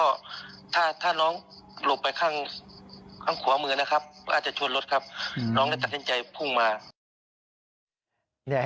อาจจะชวนรถครับน้องได้ตัดเช็นใจพุ่งมา